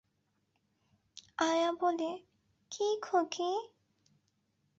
আয়া বলে, কী খোঁখী।